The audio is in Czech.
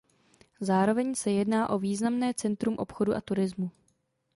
Zároveň se jedná o významné centrum obchodu a turismu.